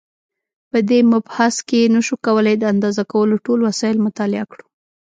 په دې مبحث کې نشو کولای د اندازه کولو ټول وسایل مطالعه کړو.